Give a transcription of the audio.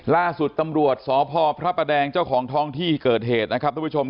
ล่าสุดตำรวจสพพระประแดงเจ้าของท้องที่เกิดเหตุนะครับทุกผู้ชมครับ